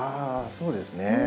そうですね。